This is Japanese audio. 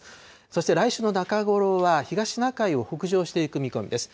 そして来週の中頃は東シナ海を北上していく見込みです。